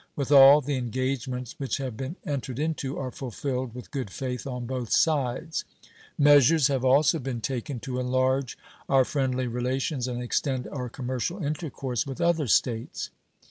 With all, the engagements which have been entered into are fulfilled with good faith on both sides. Measures have also been taken to enlarge our friendly relations and extend our commercial intercourse with other States.